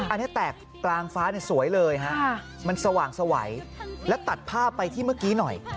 อันนี้แตกกลางฟ้าสวยเลยฮะมันสว่างสวัยและตัดภาพไปที่เมื่อกี้หน่อย